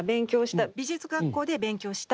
美術学校で勉強した。